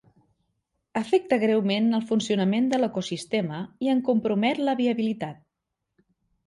Afecta greument al funcionament de l'ecosistema i en compromet la viabilitat.